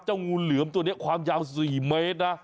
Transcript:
งูเหลือมตัวนี้ความยาว๔เมตรนะ